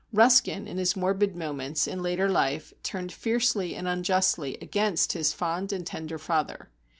Ruskin in his morbid moments, in later life, turned fiercely and unjustly against his fond and tender father.